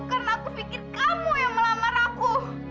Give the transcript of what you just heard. karena aku pikir kamu yang melamar aku